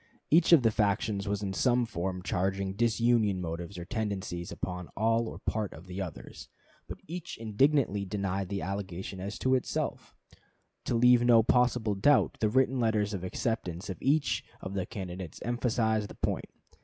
Each of the factions was in some form charging disunion motives or tendencies upon part or all of the others; but each indignantly denied the allegation as to itself. To leave no possible doubt, the written letters of acceptance of each of the candidates emphasized the point.